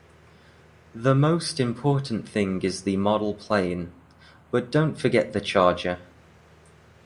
The most important thing is the model plane, but don’t forget the charger.